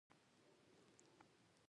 قبر د زړه زنګ دی چې ژوند ته عبرت ورکوي.